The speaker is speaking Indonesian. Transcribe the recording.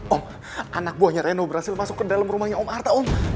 om anak buahnya reno berhasil masuk ke dalam rumahnya om arta om